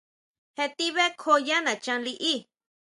Jé ti bʼekjoo yá nachán liʼí.